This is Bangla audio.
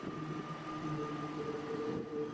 শীতের সন্ধ্যা, অন্ধকার হয়ে এসেছে।